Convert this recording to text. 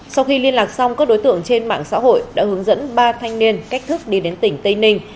sau khi liên lạc xong các đối tượng trên mạng xã hội đã hướng dẫn ba thanh niên cách thức đi đến tỉnh tây ninh